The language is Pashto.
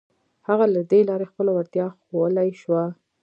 هغه له دې لارې خپله وړتيا ښوولای شوه.